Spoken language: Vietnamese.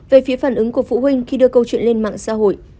về phía phản ứng của phụ huynh khi đưa câu chuyện lên mạng xã hội